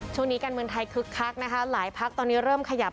ช่วงนี้การเมืองไทยคึกคักนะคะหลายพักตอนนี้เริ่มขยับ